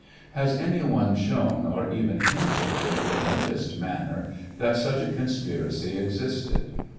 Has any one shown or even hinted in the remotest manner that such a con spiracy existed